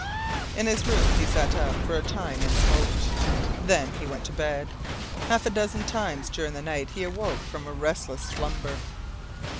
In his room he sat up for a time and smoked. Then he went to bed. Half a dozen times during the night he awoke from a restless slumber.